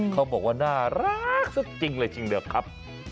เขาบอกว่าน่ารักสุดจริงเลยทีเดียวครับ